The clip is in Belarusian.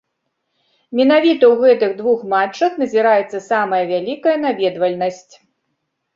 Менавіта ў гэтых двух матчах назіраецца самая вялікая наведвальнасць.